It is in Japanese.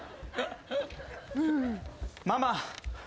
ママ。